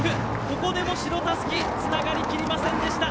ここでも白たすきつながり切りませんでした。